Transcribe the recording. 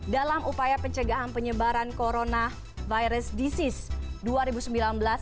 dalam upaya pencegahan penyebaran coronavirus disease dua ribu sembilan belas